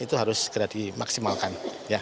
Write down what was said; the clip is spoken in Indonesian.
itu harus segera dimaksimalkan